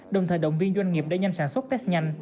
đồng thời động viên doanh nghiệp để nhanh sản xuất test nhanh